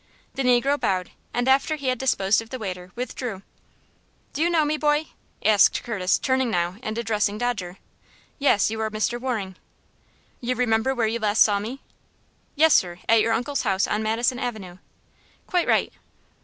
The negro bowed, and after he had disposed of the waiter, withdrew. "Do you know me, boy?" asked Curtis, turning now and addressing Dodger. "Yes; you are Mr. Waring." "You remember where you last saw me?" "Yes, sir. At your uncle's house on Madison Avenue." "Quite right."